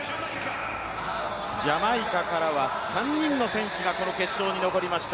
ジャマイカからは３人の選手が、この決勝に残りました。